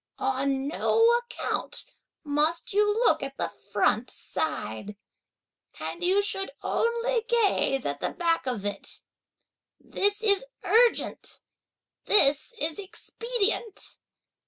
On no account must you look at the front side; and you should only gaze at the back of it; this is urgent, this is expedient!